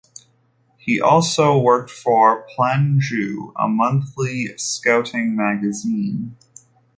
He also worked for "Plein Jeu", a monthly scouting magazine.